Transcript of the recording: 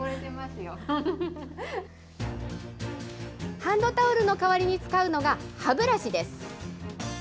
ハンドタオルの代わりに使うのが歯ブラシです。